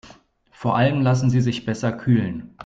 Vor allem lassen sie sich besser kühlen.